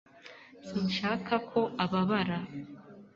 Sinshaka ko ababara.